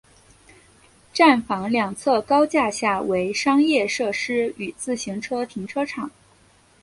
站房两侧高架下为商业设施与自行车停车场。